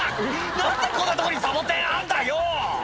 何でこんなとこにサボテンあんだよ！」